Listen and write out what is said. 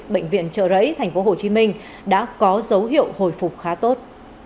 bệnh viện trợ rẫy tp hcm đã có dấu hiệu hồi phục khá tốt